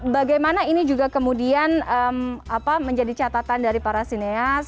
bagaimana ini juga kemudian menjadi catatan dari para sineas